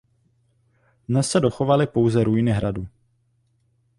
Dnes se dochovaly pouze ruiny hradu.